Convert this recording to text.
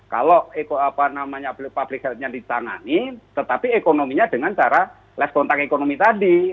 kalau public healthnya ditangani tetapi ekonominya dengan cara les kontak ekonomi tadi